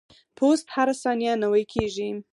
پوست هره ثانیه نوي کیږي.